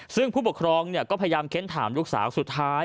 ซึ่งผู้ปกครองก็พยายามเค้นถามลูกสาวสุดท้าย